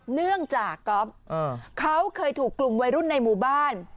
เนื่องจากก๊อฟเขาเคยถูกกลุ่มวัยรุ่นในหมู่บ้าน